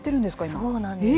そうなんです。